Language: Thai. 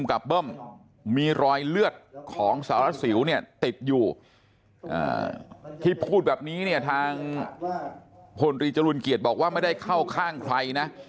กับเบิ้มมีรอยเลือดของสารสิวเนี่ยติดอยู่ที่พูดแบบนี้เนี่ยทางพลตรีจรูลเกียจบอกว่าไม่ได้เข้าข้างใครนะ